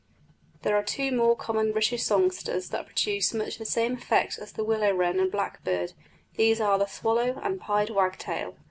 There are two more common British songsters that produce much the same effect as the willow wren and blackbird; these are the swallow and pied wagtail.